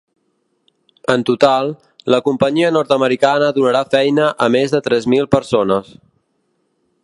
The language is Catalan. En total, la companyia nord-americana donarà feina a més de tres mil persones.